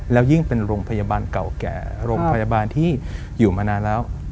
แล้วยิ่งเป็นโรงพยาบาลเก่าแก่โรงพยาบาลที่อยู่มานานแล้ว